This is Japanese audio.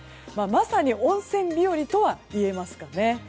まさに、温泉日和とは言えますかね。